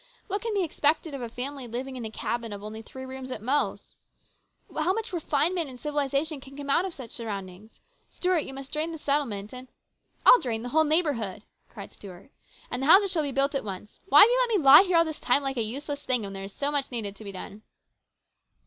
What can be expected of a family living in a cabin of only thre< room ; ;it most? How much refinement and civili ,;i tion can come out of such surroundings ? Stuart, you must drain the settlement and " "I'll drain the whole neighbourhood!" cried Stuart. "And the houses shall be built at once. Why have you let me lie here all this time like a U*eleM thin;', when there is so much needed to be done